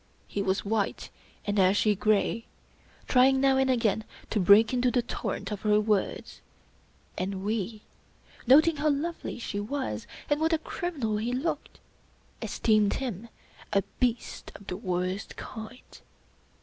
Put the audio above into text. He was white and ashy gray, try 39 English Mystery Stories ing now and again to break into the torrent of her words ; and we, noting how lovely she was and what a criminal he looked, esteemed him a beast of the worst kind.